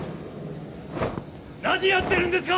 何やってるんですか